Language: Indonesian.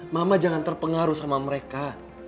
mama jangan terpengaruh sama mereka